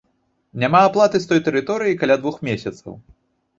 Няма аплаты з той тэрыторыі каля двух месяцаў.